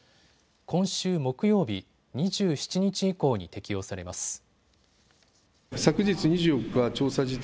今週木曜日、２７日以降に適用されます。